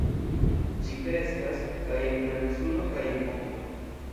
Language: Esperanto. Ĝi kreskas kaj en plena suno kaj en ombro.